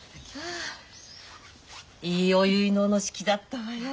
いいお結納の式だったわよ。